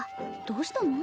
どうしたの？